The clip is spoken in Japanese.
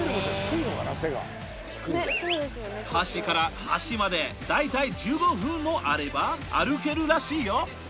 端から端まで大体１５分もあれば歩けるらしいよ